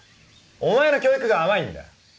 お前の教育が甘いんだ。